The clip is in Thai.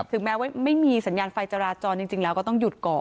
แม้ว่าไม่มีสัญญาณไฟจราจรจริงแล้วก็ต้องหยุดก่อน